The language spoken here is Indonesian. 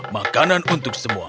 makanan untuk semua